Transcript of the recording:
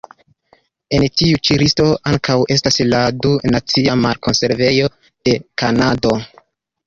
En ĉi tiu listo ankaŭ estas la du Naciaj Mar-Konservejoj de Kanado.